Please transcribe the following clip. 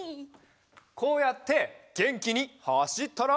こうやってげんきにはしったら。